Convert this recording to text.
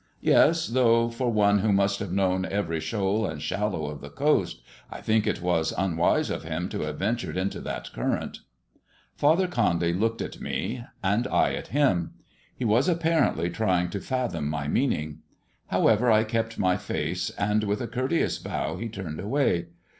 " Yes ! Though for one who must have known every shoal and shallow of the coast, I think it was unwise of him to have ventured into that current." Father Condy looked at me, and I at him. He was apparently trying to fathom my meaning. However, I kept my face, and with a courteous bow he turned away.